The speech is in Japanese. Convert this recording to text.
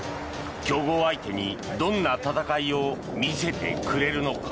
強豪相手にどんな戦いを見せてくれるのか。